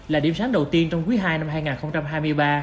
là điểm sáng đầu tiên trong quý ii năm hai nghìn hai mươi ba